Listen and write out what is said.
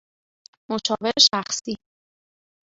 مشاور شخصی